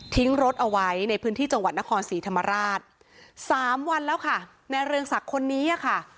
รถเอาไว้ในพื้นที่จังหวัดนครศรีธรรมราชสามวันแล้วค่ะในเรืองศักดิ์คนนี้ค่ะ